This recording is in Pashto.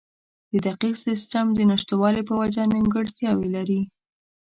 د دقیق سیستم د نشتوالي په وجه نیمګړتیاوې لري.